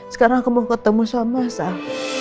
sekarang aku mau ketemu sama saya